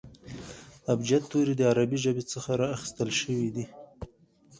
ابجد توري د عربي ژبي څخه را اخستل سوي دي.